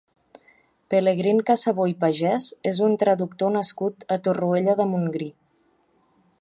Pelegrín Casabó i Pagés és un traductor nascut a Torroella de Montgrí.